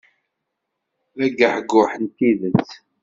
D agehguh n tidet.